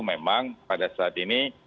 memang pada saat ini